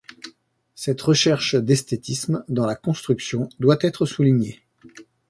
Cette recherche d'esthétisme dans la construction doit être soulignée.